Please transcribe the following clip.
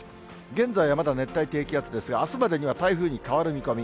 現在はまだ熱帯低気圧ですが、あすまでには台風に変わる見込み。